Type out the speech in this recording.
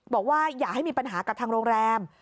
บอกว่าอย่าให้มีปัญหากับทางโรงแรม